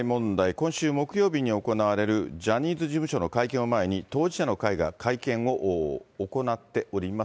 今週木曜日に行われるジャニーズ事務所の会見を前に、当事者の会が会見を行っております。